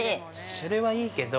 ◆それはいいけど。